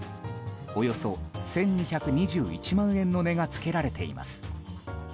およそ１２２１万円の値が付けられています。